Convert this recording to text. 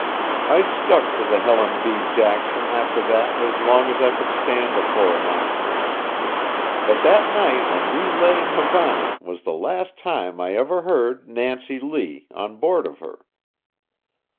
I stuck to the Helen B. Jackson after that as long as I could stand a fore and after; but that night when we lay in Havana was the last time I ever heard "Nancy Lee" on board of her.